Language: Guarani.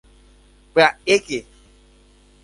¡Pya'éke!